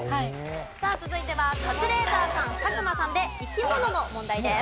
さあ続いてはカズレーザーさん佐久間さんで生き物の問題です。